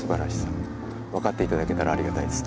分かって頂けたらありがたいです。